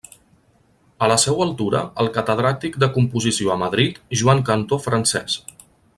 A la seua altura el catedràtic de composició a Madrid Joan Cantó Francés.